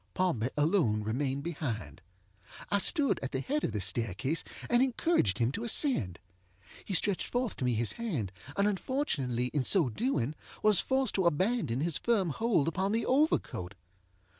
Pompey alone remained behind. I stood at the head of the staircase, and encouraged him to ascend. He stretched forth to me his hand, and unfortunately in so doing was forced to abandon his firm hold upon the overcoat.